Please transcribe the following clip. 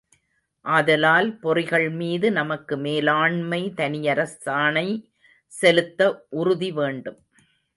ஆதலால் பொறிகள் மீது நமக்கு மேலாண்மை தனியரசாணை செலுத்த உறுதிவேண்டும்.